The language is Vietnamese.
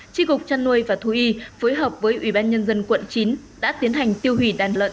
tri cục trăn nuôi và thú y phối hợp với ủy ban nhân dân quận chín đã tiến hành tiêu hủy đàn lợn